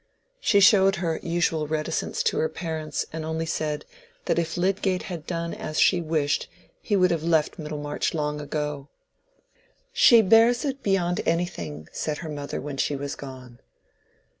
She showed her usual reticence to her parents, and only said, that if Lydgate had done as she wished he would have left Middlemarch long ago. "She bears it beyond anything," said her mother when she was gone.